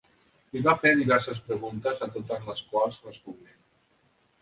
Li va fer diverses preguntes a totes les quals respongué.